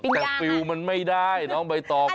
แต่ฟิลล์มันไม่ได้น้องใบตอง